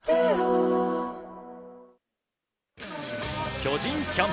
巨人キャンプ。